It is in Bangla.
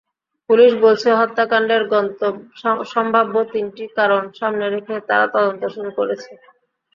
পুলিশ বলছে, হত্যাকাণ্ডের সম্ভাব্য তিনটি কারণ সামনে রেখে তারা তদন্ত শুরু করেছে।